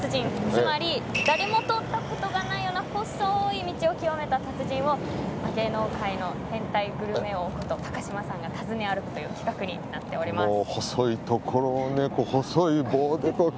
つまり誰も通ったことがないような細い道を極めた達人を芸能界の変態グルメ王こと高嶋さんが訪ね歩く企画になっています。